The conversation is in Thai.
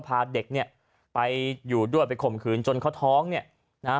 พาเด็กไปอยู่ด้วยไปข่มขืนจนเขาท้อง